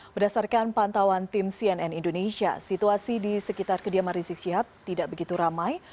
berdasarkan pantauan tim cnn indonesia situasi di sekitar kediaman rizik syihab tidak begitu ramai